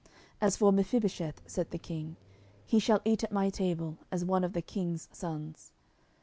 As for Mephibosheth, said the king, he shall eat at my table, as one of the king's sons.